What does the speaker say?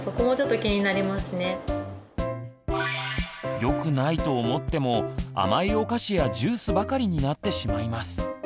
よくないと思っても甘いお菓子やジュースばかりになってしまいます。